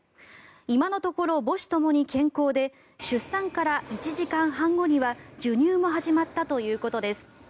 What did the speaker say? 今のところ母子ともに健康で出産から１時間半後には授乳も始まったということです。